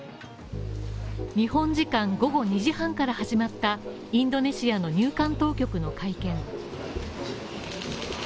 日本時間午後２時半から始まったインドネシアの入管当局の会見。